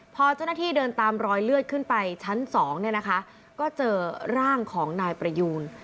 พอเจ้าหน้าที่เดินตามรอยเลือดขึ้นไปชั้นสองเนี่ยนะคะก็เจอร่างของนายประยูน